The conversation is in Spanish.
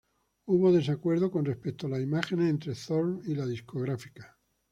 Hubo desacuerdo con respecto a las imágenes entre Zorn y la discográfica.